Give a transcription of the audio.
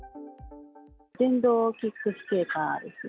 電動キックスケーターです。